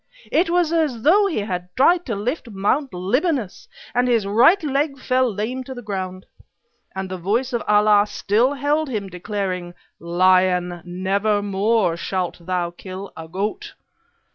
It was as though he had tried to lift Mount Libanus, and his right leg fell lamed to the ground. And the voice of Allah still held him, declaring: 'Lion, nevermore shalt thou kill a goat!'